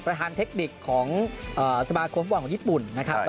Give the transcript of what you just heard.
ประธานเทคนิคของเอ่อสมาคกรฟบอลของญี่ปุ่นนะครับใช่